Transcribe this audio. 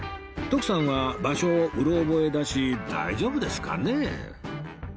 徳さんは場所をうろ覚えだし大丈夫ですかねえ